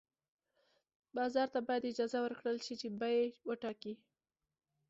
بازار ته باید اجازه ورکړل شي چې بیې وټاکي.